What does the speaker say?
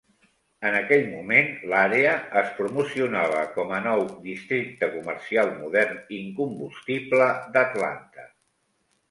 En aquell moment, l'àrea es promocionava com a "nou districte comercial modern incombustible d'Atlanta".